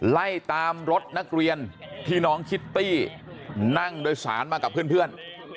ไล่ตามรถนักเรียนที่น้องคิตตี้นั่งโดยสารมากับเพื่อน